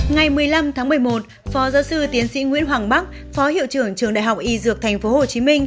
ngày một mươi năm tháng một mươi một phó giáo sư tiến sĩ nguyễn hoàng bắc phó hiệu trưởng trường đại học y dược tp hcm